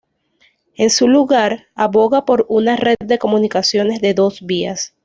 En su lugar, aboga por una red de comunicaciones de dos vías.